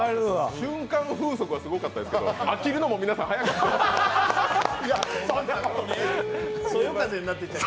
瞬間風速はすごかったですけど、飽きるのも皆さん早かった。